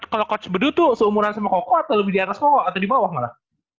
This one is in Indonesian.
kalau coach bedu tuh seumuran sama koko atau lebih di atas koko atau di bawah malah